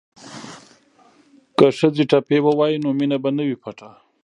که ښځې ټپې ووايي نو مینه به نه وي پټه.